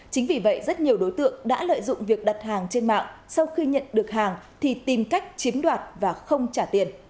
chính vì vậy rất nhiều đối tượng đã lợi dụng việc đặt hàng trên mạng sau khi nhận được hàng thì tìm cách chiếm đoạt và không trả tiền